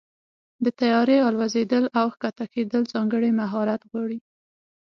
د طیارې الوزېدل او کښته کېدل ځانګړی مهارت غواړي.